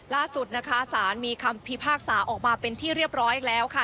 ล่าสุดนะคะสารมีคำพิพากษาออกมาเป็นที่เรียบร้อยแล้วค่ะ